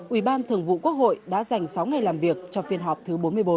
ủy ban thường vụ quốc hội đã dành sáu ngày làm việc trong phiên họp thứ bốn mươi bốn